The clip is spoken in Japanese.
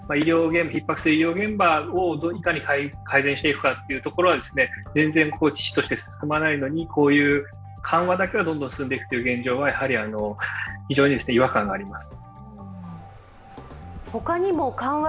ひっ迫する医療現場をいかにどう改善していくかというところは全然遅々として進まないのにこういう緩和だけはどんどん進んでいくという現状は非常に違和感があります。